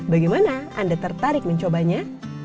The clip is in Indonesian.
bagaimana anda tertarik mencobanya